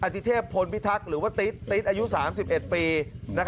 ติเทพพลพิทักษ์หรือว่าติ๊ดอายุ๓๑ปี